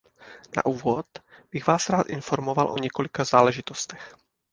Na úvod bych vás rád informoval o několika záležitostech.